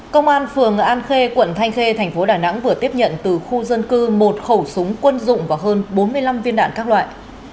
công an phường an khê quận thanh khê thành phố đà nẵng vừa tiếp nhận từ khu dân cư một khẩu súng quân dụng và hơn bốn mươi năm viên đạn các loại